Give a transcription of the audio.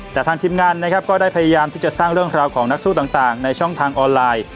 แต่ทางทีมงานนะครับก็ได้พยายามที่จะสร้างเรื่องราวของนักสู้ต่างในช่องทางออนไลน์